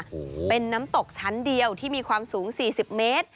โอ้โหเป็นน้ำตกชั้นเดียวที่มีความสูงสี่สิบเมตร